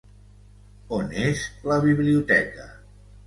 On és la biblioteca?